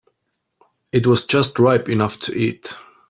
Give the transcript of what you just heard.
It was just ripe enough to eat.